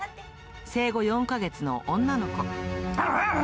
生後４か月の女の子。